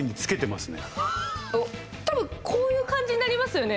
多分こういう感じになりますよね？